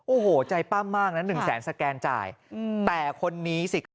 โอ้โหใจปั้มมากนะหนึ่งแสนสแกนจ่ายแต่คนนี้สิครับ